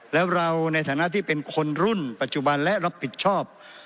แล้วเราในฐานะที่เป็นคนรุ่นปัจจุบันและรับผิดชอบ